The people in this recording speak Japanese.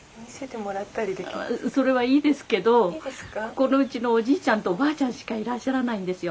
ここのうちのおじいちゃんとおばあちゃんしかいらっしゃらないんですよ。